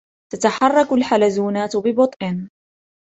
تتحرك الحلزونات ببطء.